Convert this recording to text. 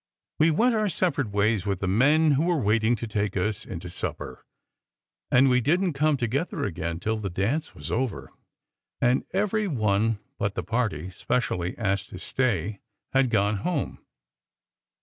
We went our separate ways with the men who were waiting to take us in to supper; and we didn t come to gether again till the dance was over, and every one but the party specially asked to stay had gone home.